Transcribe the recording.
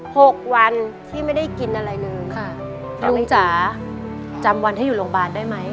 หกวันที่ไม่ได้กินอะไรเลยค่ะลุงจ๋าจำวันที่อยู่โรงพยาบาลได้ไหม